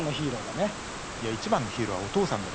いや一番のヒーローはお父さんだろ。